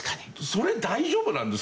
それ大丈夫なんですかね？